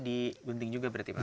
digunting juga berarti pak